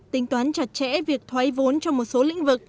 tính toán chặt chẽ việc thoái vốn trong một số lĩnh vực